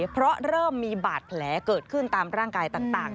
เพราะเริ่มมีบาดแผลเกิดขึ้นตามร่างกายต่าง